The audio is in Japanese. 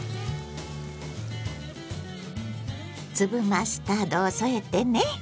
粒マスタードを添えてね。